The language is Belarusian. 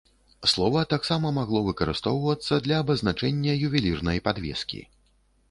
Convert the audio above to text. Слова таксама магло выкарыстоўвацца для абазначэння ювелірнай падвескі.